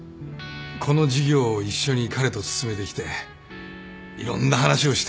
この事業を一緒に彼と進めてきていろんな話をして。